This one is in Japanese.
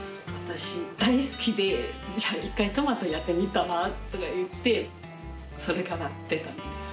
「じゃあ１回トマトやってみたら」とか言ってそれから出たんです。